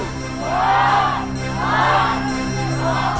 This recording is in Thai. ตรง